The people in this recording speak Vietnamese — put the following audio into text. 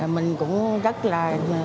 mình cũng rất là